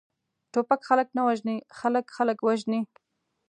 ټوپک خلک نه وژني، خلک، خلک وژني!